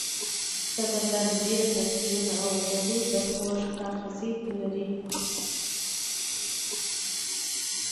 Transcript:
د بدن ډیری نسجونه او غړي د خوږ آخذې لري.